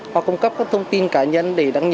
hoặc cung cấp các thông tin